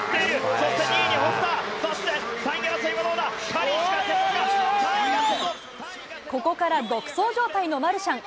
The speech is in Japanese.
そして２位に、そして３位は、ここから独走状態のマルシャン。